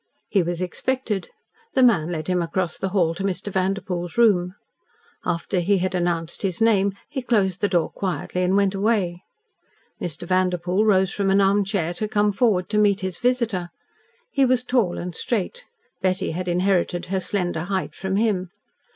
He was expected. The man led him across the hall to Mr. Vanderpoel's room. After he had announced his name he closed the door quietly and went away. Mr. Vanderpoel rose from an armchair to come forward to meet his visitor. He was tall and straight Betty had inherited her slender height from him.